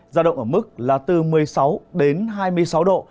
giao động ở mức là từ một mươi sáu đến hai mươi sáu độ